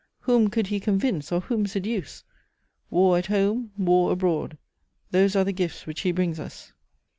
Whom could he convince, or whom seduce? War at home, war abroad: those are the gifts which he brings us."